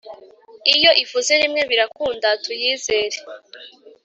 Iyo ivuze rimwe birakunda tuyizere